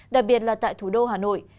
đặc biệt là tại thủ đô hà nội